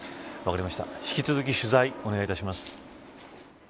引き続き取材お願いします。